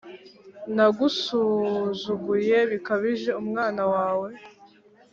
nagusuzuguye bikabije umwana we